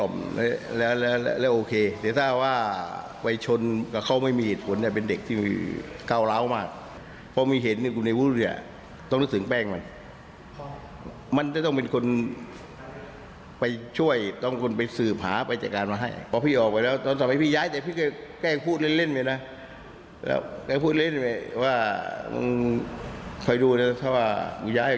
ไงก็พูดเล่นไหนว่าคอยดูแล้วถ้าว่าย้ายออกจากพัฒนอุมัติบ้านเมืองลุกกล่วงขวัย